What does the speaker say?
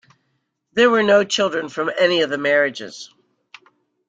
There were no children from any of the marriages.